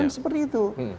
kan seperti itu